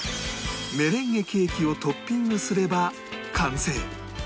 メレンゲケーキをトッピングすれば完成